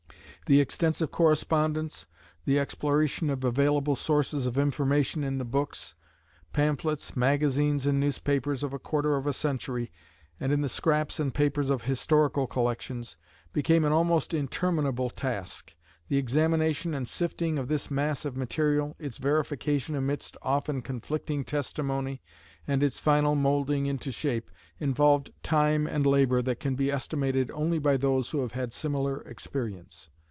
The extensive correspondence, the exploration of available sources of information in the books, pamphlets, magazines, and newspapers of a quarter of a century, and in the scraps and papers of historical collections, became an almost interminable task. The examination and sifting of this mass of material, its verification amidst often conflicting testimony, and its final molding into shape, involved time and labor that can be estimated only by those who have had similar experience.